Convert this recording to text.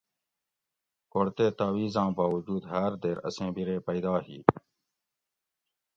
کوڑ تے تاویزاۤں باوجود ھاۤر دیر اسیں بِرے پیدا ہی